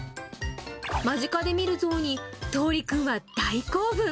間近で見るゾウに、とうりくんは大興奮。